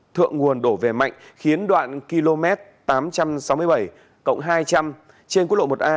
thượng nguồn đổ về mạnh khiến đoạn km tám trăm sáu mươi bảy hai trăm linh trên quốc lộ một a